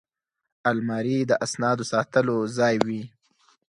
الماري د اسنادو ساتلو ځای وي